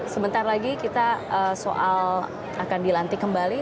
sebentar lagi kita soal akan dilantik kembali